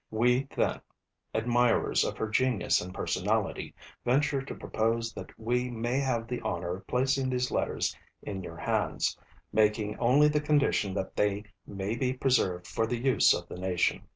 We then, admirers of her genius and personality, venture to propose that we may have the honour of placing these Letters in your hands; making only the condition that they may be preserved for the use of the nation.'